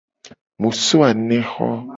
Mu so anexo.